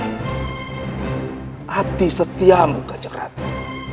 aku ini abdi setiamu kanyang ratu